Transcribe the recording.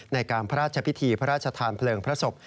ในการพระราชพิธีพระราชทานเพลิงพระศพ